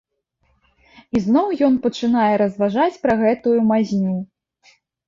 Ізноў ён пачынае разважаць пра гэтую мазню.